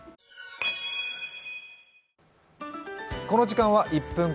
この時間は「１分！